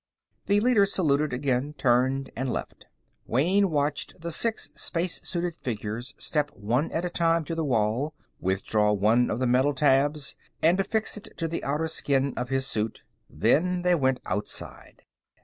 The leader saluted again, turned, and left. Wayne watched the six spacesuited figures step one at a time to the wall, withdraw one of the metal tabs, and affix it to the outer skin of his suit. Then they went outside.